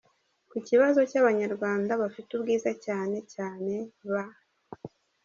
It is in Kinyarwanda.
Ku kibazo cyabakobwa bafite ubwiza cyane cyane ba.